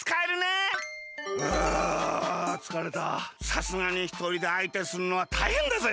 さすがにひとりであいてするのはたいへんだぜ。